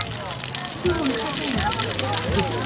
问问看站员